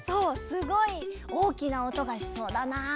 すごいおおきなおとがしそうだなあ。